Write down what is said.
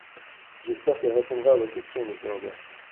J’espère qu’elle répondra à vos questions, monsieur Lambert.